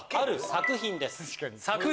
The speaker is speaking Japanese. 作品？